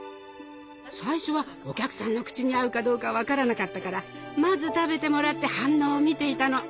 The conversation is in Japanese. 最初はお客さんの口に合うかどうか分からなかったからまず食べてもらって反応を見ていたの。